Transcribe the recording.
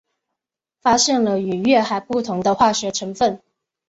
发现了与月海不同的化学成分。